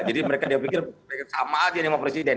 jadi mereka dia pikir sama aja sama presiden